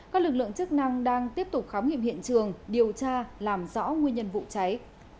các lực lượng chức năng đang tiếp tục khám nghiệm hiện trường điều tra làm rõ nguyên nhân vụ cháy